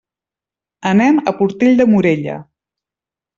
Anem a Portell de Morella.